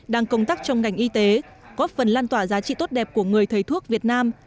đang công tác trong ngành y tế góp phần lan tỏa giá trị tốt đẹp của người thầy thuốc việt nam